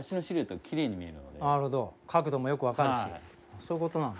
そういうことなんだ。